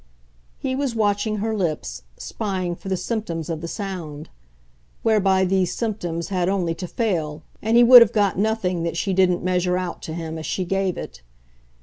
He was watching her lips, spying for the symptoms of the sound; whereby these symptoms had only to fail and he would have got nothing that she didn't measure out to him as she gave it.